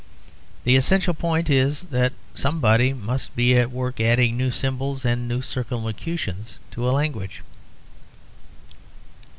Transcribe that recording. The essential point is that somebody must be at work adding new symbols and new circumlocutions to a language.